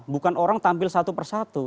bukan orang tampil satu persatu